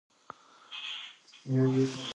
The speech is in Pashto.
د ټولنې اصلاح له ځانه پیل کړئ.